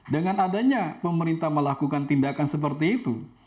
dengan adanya pemerintah melakukan tindakan seperti itu